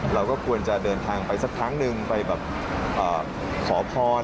เราก็ควรจะเดินทางไปสักครั้งหนึ่งไปแบบขอพร